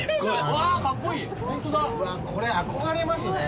これ憧れますね。